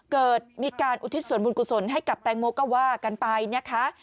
เกิดมีการอุทิศส่วนบุญกุศลให้กับแตงโมก็ว่ากันไปนะคะ